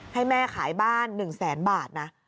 ให้แม่ขายบ้าน๑แสนบาทนะ